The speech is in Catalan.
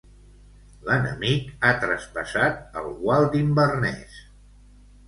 L'enemic ha traspassat el gual d'Inverness.